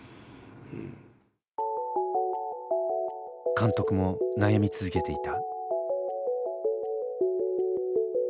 監督も悩み続けていた。